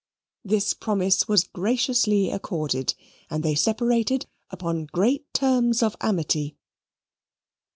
This promise was graciously accorded, and they separated upon great terms of amity.